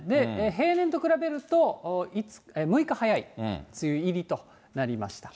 平年と比べると６日早い梅雨入りとなりました。